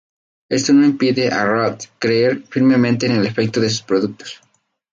Esto no impide a Rath creer firmemente en el efecto de sus productos.